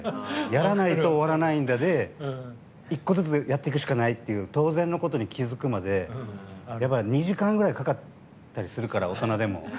やらないと終わらないんだで１個ずつやってくしかないという当然のことに気付くまでやっぱり２時間ぐらいかかったりするから大人でも。